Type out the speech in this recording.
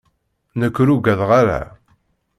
Nekk ur ugadeɣ ara.